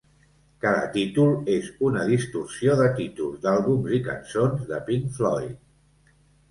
Cada títol és una distorsió de títols d'àlbums i cançons de Pink Floyd.